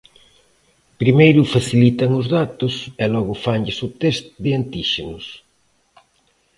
Primeiro facilitan os datos e logo fanlles o test de antíxenos.